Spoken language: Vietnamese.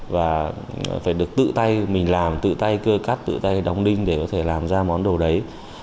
và phải được tự tay mình làm tự tay cơ cắt tự tay đóng đinh để có thể làm ra món đồ đấy